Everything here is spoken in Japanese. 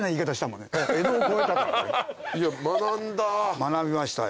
学びましたよ。